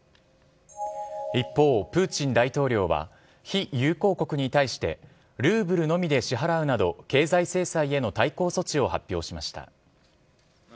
一方、プーチン大統領は非友好国に対してルーブルのみで支払うなど経済制裁への対抗措置を発表しました。